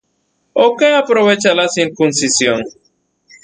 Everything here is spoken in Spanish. ¿ó qué aprovecha la circuncisión?,